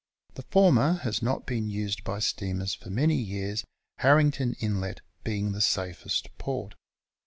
The former has not been used by steamers for many years, Harrington Inlet being the safest port.